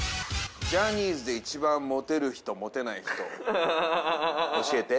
「ジャニーズで一番モテる人モテない人」教えて。